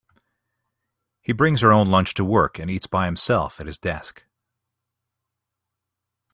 He brings her own lunch to work, and eats by himself at his desk.